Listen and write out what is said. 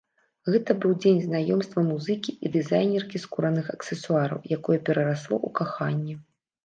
Гэта быў дзень знаёмства музыкі і дызайнеркі скураных аксесуараў, якое перарасло ў каханне.